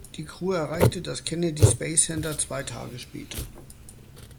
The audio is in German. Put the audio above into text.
Die Crew erreichte das Kennedy Space Center zwei Tage später.